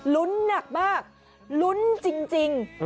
ลุ้นหนักมากลุ้นจริง